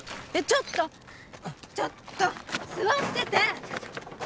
ちょっとちょっと座ってて！